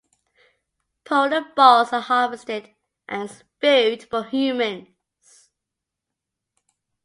Pollen balls are harvested as food for humans.